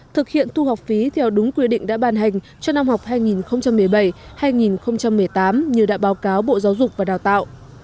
thực hiện thu học phí theo đúng quy định đã ban hành cho năm học hai nghìn một mươi bảy hai nghìn một mươi tám như đã báo cáo bộ giáo dục và đào tạo